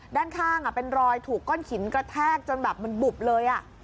ด้านข้างเป็นรอยถูกก้อนหินกระแทกจนแบบมันบุบเลย